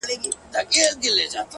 نن شپه د ټول كور چوكيداره يمه،